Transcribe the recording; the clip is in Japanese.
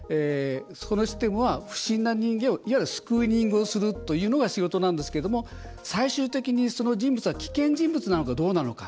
システムは不審な人間をスクリーニングするということが仕事なんですけど最終的にその人物が危険人物なのかどうなのか。